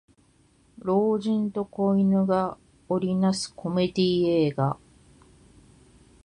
老人と子犬が織りなすコメディ漫画